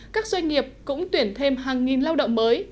các doanh nghiệp cũng tuyển thêm hàng nghìn lao động mới